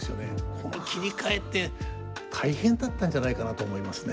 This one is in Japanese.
この切り替えって大変だったんじゃないかなと思いますね。